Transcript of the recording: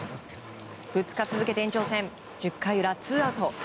２日続けて延長戦１０回裏、ツーアウト。